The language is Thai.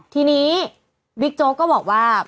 ทีนี้บิ๊กโจ๊กก็บอกว่า